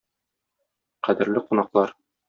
Кадерле кунаклар!